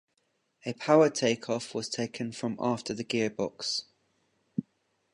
A power take-off was taken from after the gearbox.